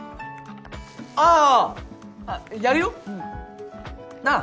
あぁやるよ。なぁ？